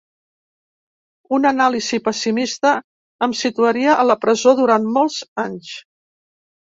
Una anàlisi pessimista em situaria a la presó durant molts anys.